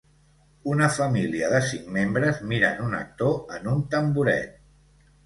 Una família de cinc membres miren un actor en un tamboret.